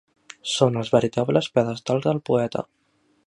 Són els veritables pedestals del poeta.